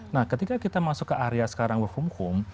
nah ketika kita masuk ke area sekarang work from home